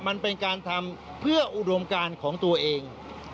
มันเป็นการทำเพื่ออุดมการของตัวเอง